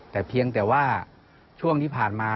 แต่เพียงแต่ว่าช่วงที่ผ่านมา